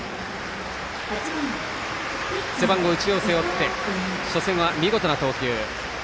背番号１を背負って初戦は見事な投球。